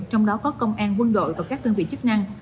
trong đó có công an quân đội và các đơn vị chức năng